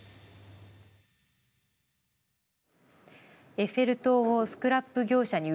エッフェル塔をスクラップ業者に売るという。